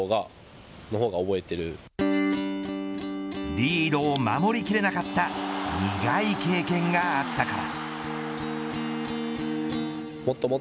リードを守りきれなかった苦い経験があったから。